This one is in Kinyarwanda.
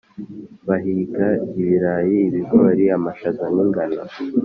Bahinga ibirayi ibigori amashaza n’ingano.